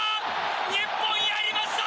日本やりました！